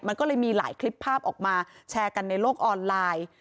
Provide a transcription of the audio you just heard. มันก็เลยมีหลายคลิปภาพออกมาแชร์กันในโลกออนไลน์